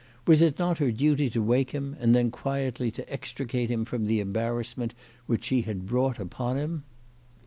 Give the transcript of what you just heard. Was it not her duty to wake him, and then quietly to extricate him from the embarrassment which she had brought upon him